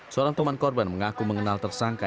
seorang teman korban mengaku mengenal tersangka